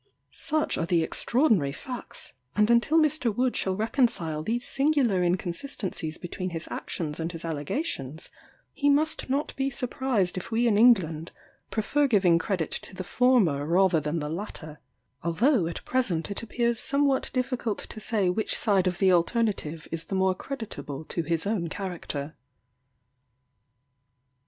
Such are the extraordinary facts; and until Mr. Wood shall reconcile these singular inconsistencies between his actions and his allegations, he must not be surprised if we in England prefer giving credit to the former rather than the latter; although at present it appears somewhat difficult to say which side of the alternative is the more creditable to his own character.